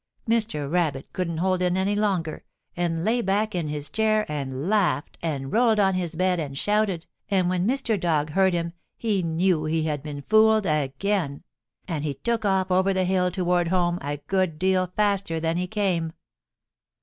Mr. Rabbit couldn't hold in any longer, and lay back in his chair, and laughed, and rolled on his bed and shouted, and when Mr. Dog heard him he knew he had been fooled again, and he took off over the hill toward home a good deal faster than he came.